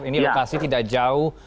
ini lokasi tidak jauh